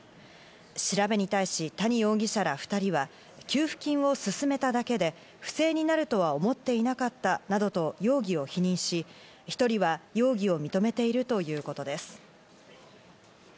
調べに対し谷容疑者ら２人は給付金を勧めただけで不正になるとは思っていなかったなどと容疑を否認し、１人は容疑を認めているということです。